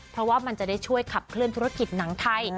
เพราะว่ามันจะได้ช่วยขับเคลื่อนธุรกิจหนังไทย